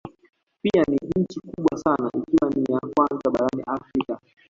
Pia ni nchi kubwa sana ikiwa ni ya kwanza barani Afrika